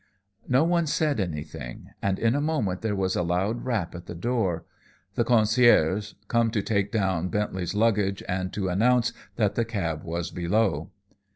No one said anything, and in a moment there was a loud rap at the door, the concierge, come to take down Bentley's luggage and to announce that the cab was below.